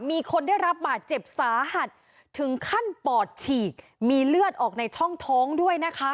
มีคนได้รับบาดเจ็บสาหัสถึงขั้นปอดฉีกมีเลือดออกในช่องท้องด้วยนะคะ